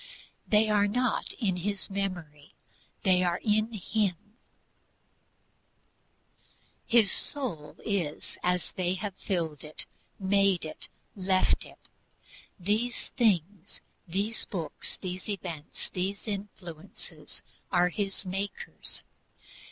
They are not in his memory, they are in him. His soul is as they have filled it, made it, left it. These things, these books, these events, these influences are his makers.